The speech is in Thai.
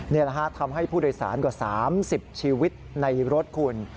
นี่แหละฮะทำให้ผู้โดยสารกว่า๓๐ชีวิตในรถคุณ